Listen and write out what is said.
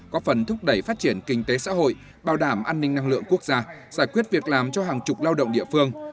có phần thúc đẩy phát triển kinh tế xã hội bảo đảm an ninh năng lượng quốc gia giải quyết việc làm cho hàng chục lao động địa phương